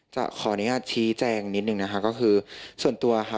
ขออนุญาตชี้แจงนิดหนึ่งนะคะก็คือส่วนตัวค่ะ